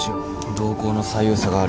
瞳孔の左右差がある。